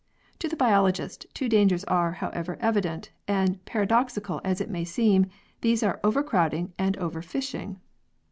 "To the biologist two dangers are, however, evident, and, paradoxical as it may seem, these are overcrowding and over fishing.